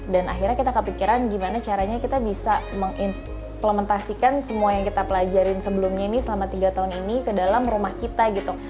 dan akhirnya kita kepikiran gimana caranya kita bisa mengimplementasikan semua yang kita pelajarin sebelumnya ini selama tiga tahun ini ke dalam rumah kita gitu